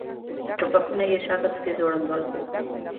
ټوپکونه یې شاته پسې ځوړند ول.